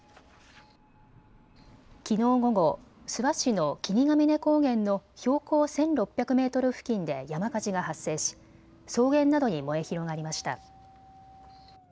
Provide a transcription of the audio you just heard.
きのう午後、諏訪市の霧ヶ峰高原の標高１６００メートル付近で山火事が発生し草原などに燃え広がりました。